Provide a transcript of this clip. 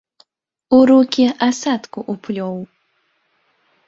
У рукі асадку ўплёў.